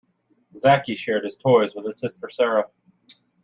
Zaki shared his toys with his sister Sarah.